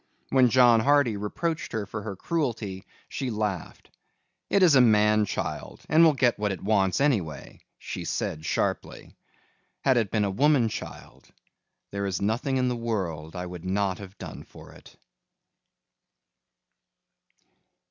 When John Hardy reproached her for her cruelty, she laughed. "It is a man child and will get what it wants anyway," she said sharply. "Had it been a woman child there is nothing in the world I would not have done for it."